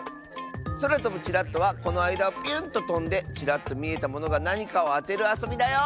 「そらとぶチラッと」はこのあいだをピュンととんでチラッとみえたものがなにかをあてるあそびだよ！